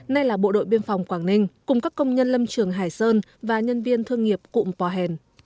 nay là bộ đội biên phòng quảng ninh cùng các công nhân lâm trường hải sơn và nhân viên thương nghiệp cụm pò hèn